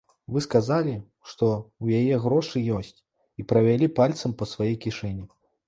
Вы сказалі, што ў яе грошы ёсць, і правялі пальцам па сваёй кішэні.